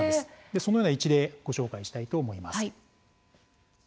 そのような一例ご紹介したいと思います。